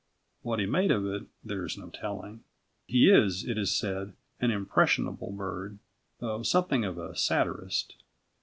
What he made of it, there is no telling: he is, it is said an impressionable bird, though something of a satirist.